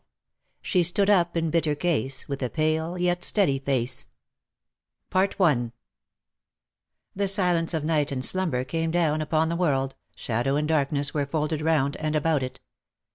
*' SHE STOOD UP IN BITTER CASE^ WITH A PALE YET STEADY FACe/^ The silence of night and slumber came down upon the world, shadow and darkness were folded round and about it.